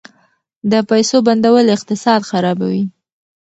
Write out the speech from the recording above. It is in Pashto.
د پیسو بندول اقتصاد خرابوي.